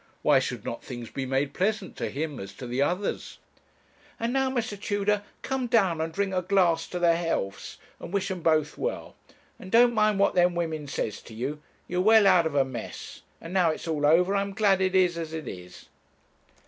why should not things be made pleasant to him as to the others? 'And now, Mr. Tudor, come down, and drink a glass to their healths, and wish 'em both well, and don't mind what them women says to you. You're well out of a mess; and now it's all over, I'm glad it is as it is.'